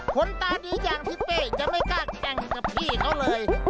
คนตาดีอย่างพี่เป้จะไม่กล้าแข่งกับพี่เขาเลย